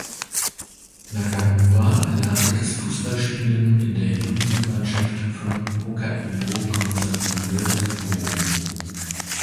Nakamura erlernte das Fußballspielen in der Jugendmannschaft von Hokkaido Consadole Sapporo.